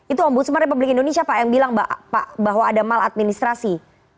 itu ombudsman republik indonesia pak yang bilang pak bahwa ada maladministrasi